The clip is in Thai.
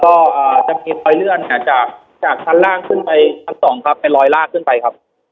ก็จะมีรอยเลื่อนจากชั้นล่างขึ้นไปชั้นสองครับไปลอยลากขึ้นไปครับ